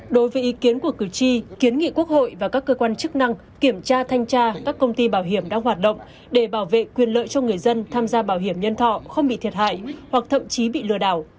đối với ý kiến của cử tri kiến nghị quốc hội và các cơ quan chức năng kiểm tra thanh tra các công ty bảo hiểm đang hoạt động để bảo vệ quyền lợi cho người dân tham gia bảo hiểm nhân thọ không bị thiệt hại hoặc thậm chí bị lừa đảo